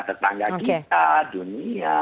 tetangga kita dunia